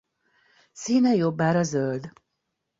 Színe jobbára zöld.